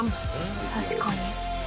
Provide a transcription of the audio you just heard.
確かに。